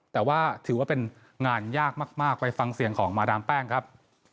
แต่ว่าถือว่าเป็นงานยากมากไปฟังเสียงของมาดามแป้งครับ